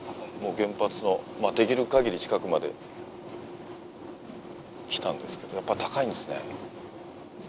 もう原発の、できるかぎり近くまで来たんですけど、やっぱり高いんですね。